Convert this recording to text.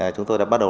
chúng tôi đã bắt đầu